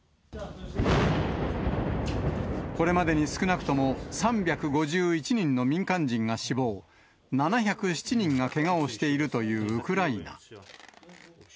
これまでに、少なくとも３５１人の民間人が死亡、７０７人がけがをしているというウクライナ。